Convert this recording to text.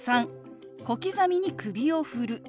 ３小刻みに首を振る。